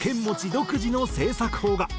独自の制作法が。